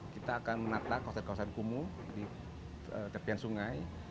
kita akan menata kawasan kawasan kumuh di tepian sungai